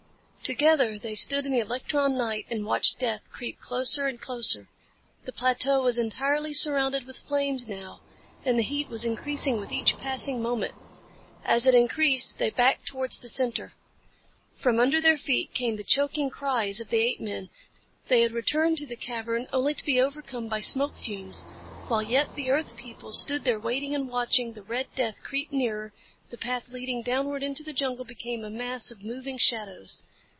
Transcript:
Together they stood in the electron night and watched death creep closer and closer. The plateau was entirely surrounded with flames now and the heat was increasing with each passing moment. As it increased they backed towards the center. From under their feet came the choking cries of the apemen. They had returned to the cavern only to be overcome by smoke fumes. While yet the earth people stood there waiting and watching the red death creep nearer, the path leading downward into the jungle became a mass of moving shadows.